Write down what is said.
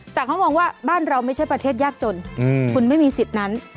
แต่เขามองว่าบ้านเราไม่ใช่ประเทศยากจนคุณไม่มีสิทธิ์นั้น